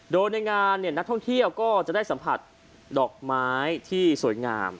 โดยในงานนักท่องเที่ยวก็จะได้สัมผัสดอกไม้ที่สวยงาม